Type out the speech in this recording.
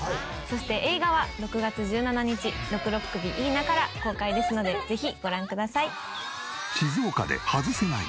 そして映画は６月１７日「ろくろっ首、イイな」から公開ですのでぜひご覧ください。